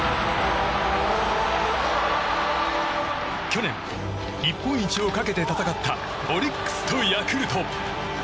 去年、日本一をかけて戦ったオリックスとヤクルト。